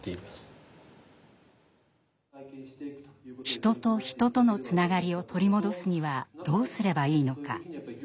人と人とのつながりを取り戻すにはどうすればいいのか？